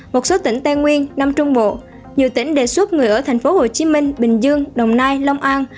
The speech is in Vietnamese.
một số tỉnh tây nguyên nam trung bộ nhiều tỉnh đề xuất người ở thành phố hồ chí minh bình dương đồng nai long an